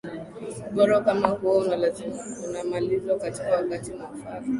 goro kama huo unamalizwa kwa wakati mwafaka